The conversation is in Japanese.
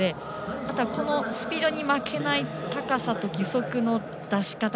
あとは、スピードに負けない高さと義足の出し方。